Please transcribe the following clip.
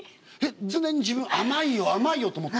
常に自分甘いよ甘いよと思ってる？